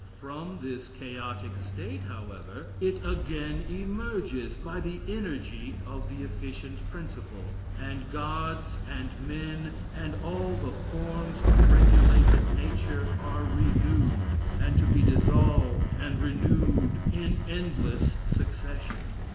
From this chaotic state, however, it again emerges, by the energy of the efficient principle, and gods, and men, and all the forms of regulated nature, are renewed, and to be dissolved and renewed in endless succession.